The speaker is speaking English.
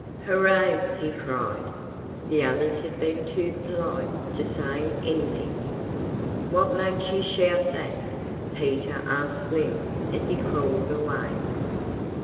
"Hurrah!" he cried. (The others had been too polite to say anything.) "What makes you shout that?" Peter asked Slim as he crawled away.